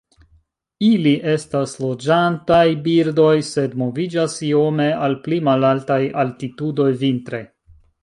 Ili estas loĝantaj birdoj, sed moviĝas iome al pli malaltaj altitudoj vintre.